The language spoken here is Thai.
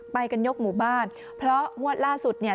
ไปกันยกหมู่บ้านเพราะงวดล่าสุดเนี่ย